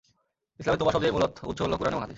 ইসলামে তওবা শব্দের মূল উৎস হল কুরআন এবং হাদিস।